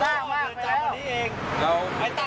มึงรู้จักเปล่า